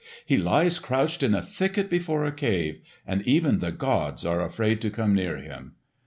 He lies crouched in a thicket before a cave, and even the gods are afraid to come near him."